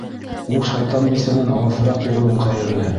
Ул шайтан бисәнән алыҫыраҡ йөрөүең хәйерле.